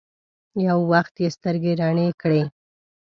يو وخت يې سترګې رڼې کړې.